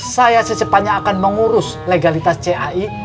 saya secepatnya akan mengurus legalitas cai